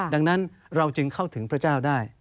ดังนั้นเราจึงเข้าถึงพระเจ้าได้